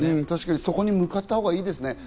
確かにそこに向かったほうがいいですね。